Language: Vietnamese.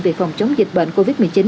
về phòng chống dịch bệnh covid một mươi chín